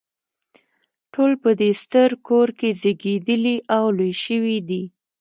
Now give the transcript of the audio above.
ټول په دې ستر کور کې زیږیدلي او لوی شوي دي.